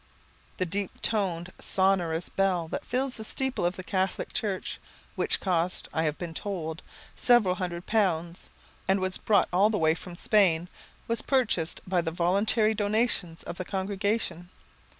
The deep toned, sonorous bell, that fills the steeple of the Catholic church, which cost, I have been told, seven hundred pounds, and was brought all the way from Spain, was purchased by the voluntary donations of the congregation.